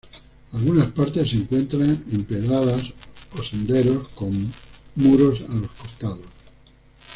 Algunas partes se encuentran empedradas o senderos con muros a los costados.